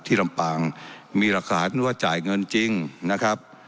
ลำปางมีหลักฐานว่าจ่ายเงินจริงนะครับ